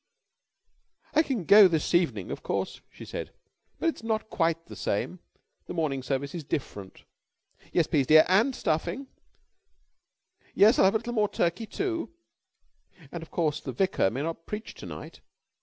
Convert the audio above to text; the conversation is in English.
"I can go this evening, of course," she said, "but it's not quite the same. The morning service is different. Yes, please, dear and stuffing. Yes, I'll have a little more turkey, too. And, of course, the vicar may not preach to night.